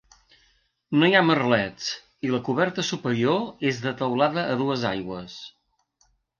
No hi ha merlets i la coberta superior és de teulada a dues aigües.